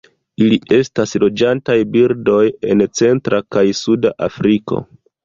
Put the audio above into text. Ili estas loĝantaj birdoj en centra kaj suda Afriko.